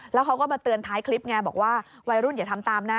แล้วเขาก็มาเตือนท้ายคลิปไงบอกว่าวัยรุ่นอย่าทำตามนะ